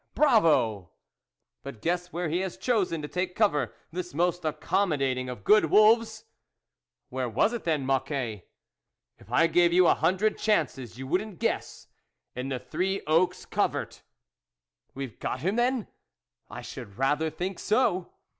" Bravo !"" But guess where he has chosen to take covert, this most accommodating of good wolves !"" Where was it then, Mocquet ?"" If I gave you a hundred chances you wouldn't guess ! in the Three Oaks Covert." " We've got him, then ?"" I should rather think so."